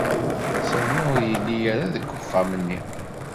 Sami ur yelli ara deg uxxam-nni.